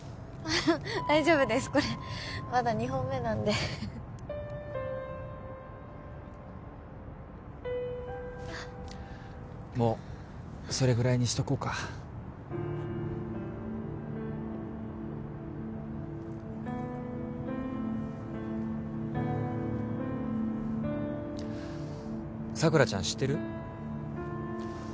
大丈夫ですこれまだ２本目なんでもうそれぐらいにしとこうか佐倉ちゃん知ってる？